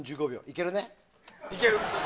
いけるね。